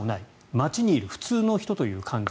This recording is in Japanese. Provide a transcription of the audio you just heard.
街にいる普通の人という感じ。